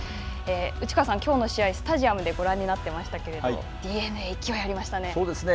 内川さん、きょうの試合、スタジアムでご覧になっていましたけどＤｅＮＡ、勢いがありましそうですね。